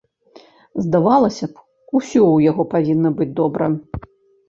Здавалася б, усё ў яго павінна быць добра.